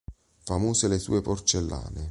Famose le sue porcellane.